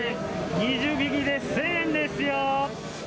２０匹で１０００円ですよ。